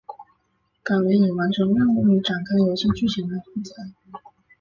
改为以完成任务与展开游戏剧情来负责。